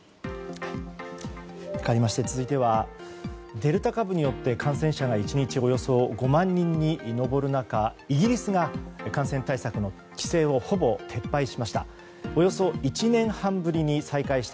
かわりまして、続いてはデルタ株によって感染者が１日およそ５万人に上る中イギリスが感染対策の規制をほぼ撤廃しました。